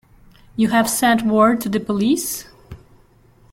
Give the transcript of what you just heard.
You have sent word to the police?